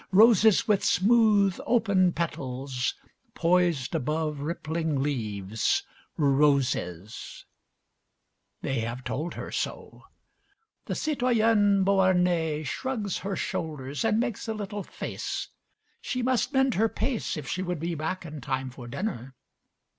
Roses with smooth open petals, poised above rippling leaves... Roses ... They have told her so. The Citoyenne Beauharnais shrugs her shoulders and makes a little face. She must mend her pace if she would be back in time for dinner.